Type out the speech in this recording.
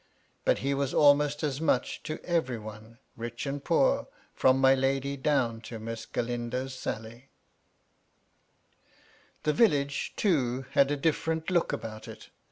But he was a most as much to every one, rich and poor, from my .ady down to Miss Galindo's Sally. MY LADY LUDLOW. 333 The village, too, had a different look about it.